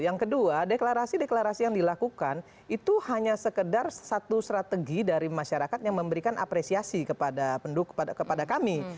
yang kedua deklarasi deklarasi yang dilakukan itu hanya sekedar satu strategi dari masyarakat yang memberikan apresiasi kepada kami